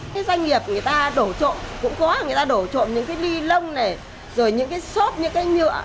cái doanh nghiệp người ta đổ trộm cũng có người ta đổ trộm những cái ly lông này rồi những cái xoát những cái nhựa